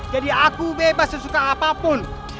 jadi aku bebas sesuka apapun